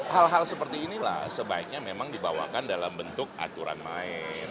hal hal seperti inilah sebaiknya memang dibawakan dalam bentuk aturan main